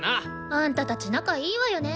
あんたたち仲いいわよね。